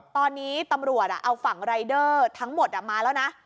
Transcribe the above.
ตอนนี้ตำรวจเอาฝั่งรายเดอร์ทั้งหมดมาแล้วนะ